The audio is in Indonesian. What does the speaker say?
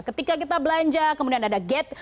ketika kita belanja kemudian ada gate